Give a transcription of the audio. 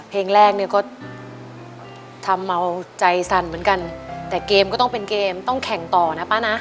เพลงแรกเนี่ยก็ทำเอาใจสั่นเหมือนกันแต่เกมก็ต้องเป็นเกมต้องแข่งต่อนะป้านะ